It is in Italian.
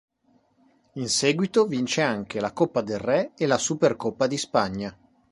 In seguito vince anche la Coppa del Re e la Supercoppa di Spagna.